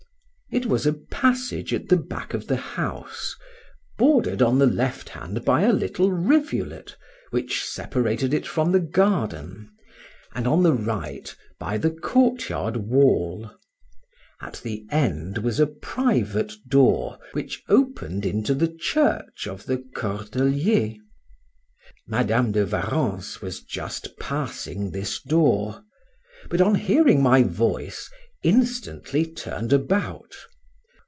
It was a passage at the back of the house, bordered on the left hand by a little rivulet, which separated it from the garden, and, on the right, by the court yard wall; at the end was a private door which opened into the church of the Cordeliers. Madam de Warrens was just passing this door; but on hearing my voice, instantly turned about.